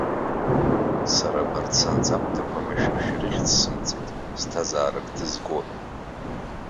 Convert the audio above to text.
Сара абарҭ санҵамҭақәа машәыршәа ирыхьӡсымҵеит ԥсҭазаарак ҭызго ҳәа.